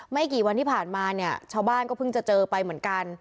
ไม่กี่วันที่ผ่านมาเนี่ยชาวบ้านก็เพิ่งจะเจอไปเหมือนกัน